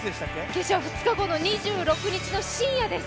決勝は２日後の２６日の深夜です。